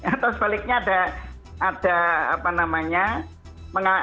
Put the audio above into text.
atau sebaliknya ada apa namanya